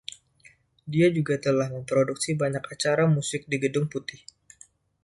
Dia juga telah memproduksi banyak acara musik di Gedung Putih.